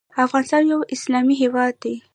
افغانستان یو اسلامي هیواد دی